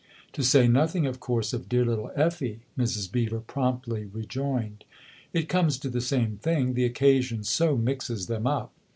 7 " To say nothing, of course, of dear little Effie," Mrs. Beever promptly rejoined. " It comes to the same thing the occasion so mixes them up.